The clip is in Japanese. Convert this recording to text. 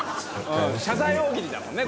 謝罪大喜利だもんね